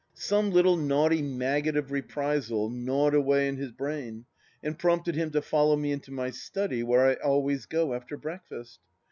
... Some little naughty maggot of reprisal gnawed away in his brain and prompted him to follow me into my study, where I always go after breakfast.